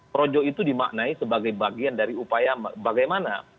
projo itu dimaknai sebagai bagian dari upaya bagaimana